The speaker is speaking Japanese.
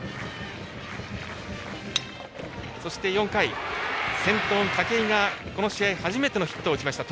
そして４回、先頭の武井がこの試合初めてのヒットを打ちました。